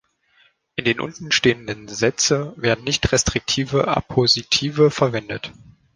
In den untenstehenden Sätze werden nicht-restriktive Appositive verwendet.